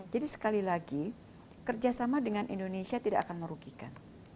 jadi sekali lagi kerjasama dengan indonesia tidak akan merugikan